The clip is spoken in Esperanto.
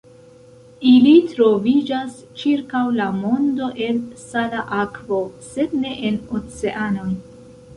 Ili troviĝas ĉirkaŭ la mondo en sala akvo, sed ne en oceanoj.